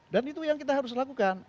itu yang kita harus lakukan